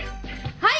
はい！